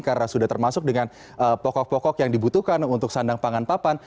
karena sudah termasuk dengan pokok pokok yang dibutuhkan untuk sandang pangan papan